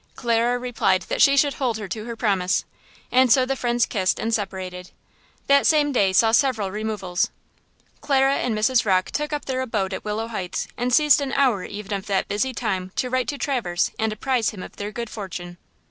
Clara replied that she should hold her to her promise. And so the friends kissed and separated. That same day saw several removals. Clara and Mrs. Rocke took up their abode at Willow Heights and seized an hour even of that busy time to write to Traverse and apprise him of their good fortune.